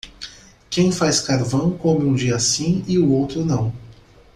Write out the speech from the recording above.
Quem faz carvão come um dia sim e o outro não.